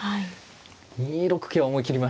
２六桂は思い切りましたね。